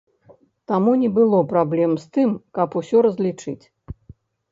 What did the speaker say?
Таму не было праблем з тым, каб усё разлічыць.